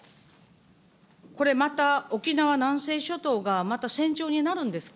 これ、また沖縄南西諸島がまた戦場になるんですか。